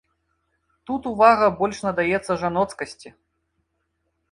Тут увага больш надаецца жаноцкасці.